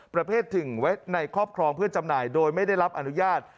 ประเภทหนึ่งไว้ในครอบครองเพื่อจำหน่ายโดยไม่ได้รับอนุญาต